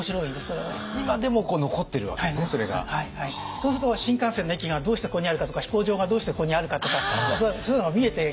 そうすると新幹線の駅がどうしてここにあるかとか飛行場がどうしてここにあるかとかそういうのが見えてきますよね。